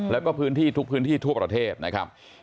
แล้วก็พื้นที่ทุกพื้นที่ทั่วประเทศนะครับ